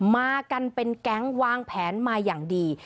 มากันเป็นแก๊งวางแผนมาอย่างดี